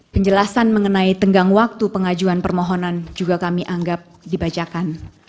penjelasan mengenai tenggang waktu pengajuan permohonan juga kami anggap dibacakan